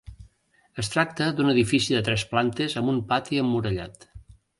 Es tracta d'un edifici de tres plantes amb un pati emmurallat.